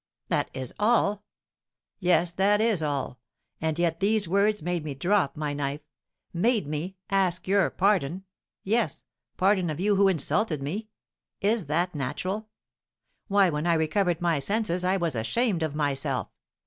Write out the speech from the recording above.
"That is all? Yes, that is all. And yet these words made me drop my knife, made me ask your pardon, yes, pardon of you who insulted me. Is that natural? Why, when I recovered my senses, I was ashamed of myself.